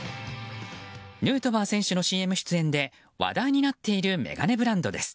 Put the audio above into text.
ヌートバー選手のＣＭ出演で話題になっている眼鏡ブランドです。